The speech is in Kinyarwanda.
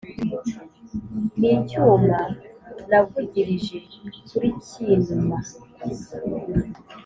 N’icyuma navugilije kuli Cyinuma.